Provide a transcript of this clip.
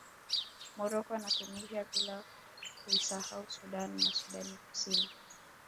Morocco na Tunisia bila kuisahau Sudan na Sudani Kusini